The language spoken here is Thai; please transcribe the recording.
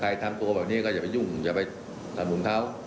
อย่าทำให้คนอื่นเอาร้อน